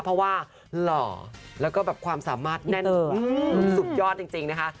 เพราะว่าหล่อแล้วก็แบบความสามารถแน่นสุดยอดจริงนะคะ